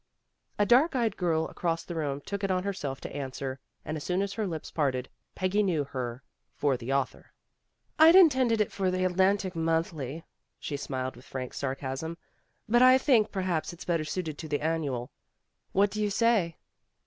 A dark eyed girl across the room took it on herself to answer, and as soon as her lips parted, Peggy knew her for the author. "I'd intended it for the Atlantic Monthly/' she smiled with frank sarcasm. "But I think perhaps it 's better suited to the Annual. What do you say